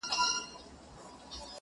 • ماته زارۍ كوي چي پرېميږده ه ياره؛